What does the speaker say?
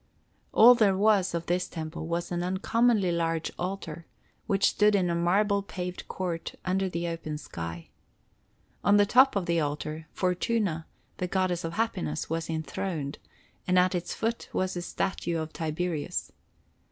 All there was of this temple was an uncommonly large altar, which stood in a marble paved court under the open sky. On the top of the altar, Fortuna, the goddess of happiness, was enthroned, and at its foot was a statue of Tiberius.